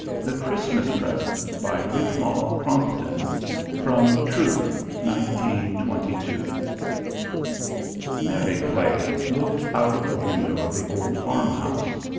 THE CHRISTMAS PRESENT By RICHMAL CROMPTON (From Truth) 1922 Mary Clay looked out of the window of the old farmhouse.